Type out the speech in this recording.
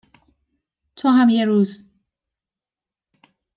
تو هم یه روز